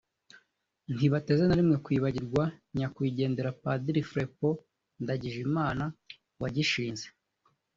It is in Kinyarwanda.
ntibateze na rimwe kwibagirwa Nyakwigendera Padiri Fraipont Ndagijimana wagishinze